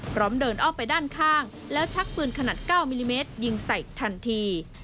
พร้อมเดินอ้อมไปด้านข้างแล้วชักปืนขนาด๙มิลลิเมตรยิงใส่ทันที